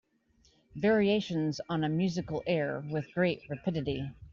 Variations on a musical air With great rapidity.